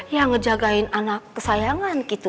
ya ngejagain anak kesayangan gitu